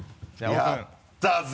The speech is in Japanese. やったぜ！